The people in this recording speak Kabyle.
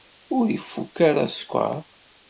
Ur ifukk ara sskeṛ?